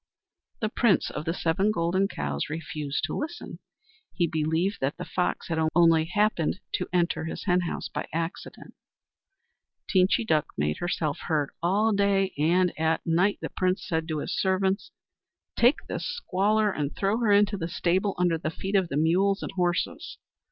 The Prince of the Seven Golden Cows refused to listen. He believed that the fox had only happened to enter his henhouse by accident. Teenchy Duck made herself heard all day, and at night the Prince said to his servants: "Take this squaller and throw her into the stable under the feet of the mules and horses.